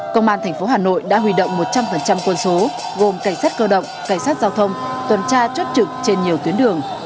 công an tp hà nội đã huy động một trăm linh quân số gồm cảnh sát cơ động cảnh sát giao thông tuần tra chốt trực trên nhiều tuyến đường